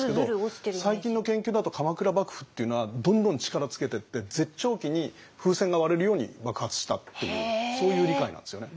最近の研究だと鎌倉幕府っていうのはどんどん力つけてって絶頂期に風船が割れるように爆発したっていうそういう理解なんですよね。